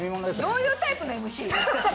どういうタイプのＭＣ？